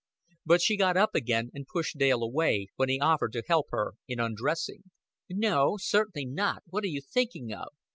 But she got up again and pushed Dale away, when he offered to help her in undressing. "No, certainly not. What are you thinking of?"